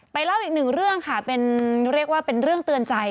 เล่าอีกหนึ่งเรื่องค่ะเป็นเรียกว่าเป็นเรื่องเตือนใจ